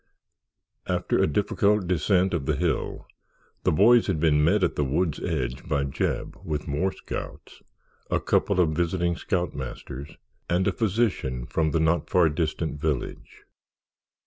After a difficult descent of the hill the boys had been met at the wood's edge by Jeb with more scouts, a couple of visiting scoutmasters and a physician from the not far distant village.